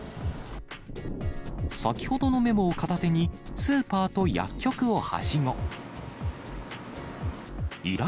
先ほどのメモを片手に、スーパーと薬局をはしご。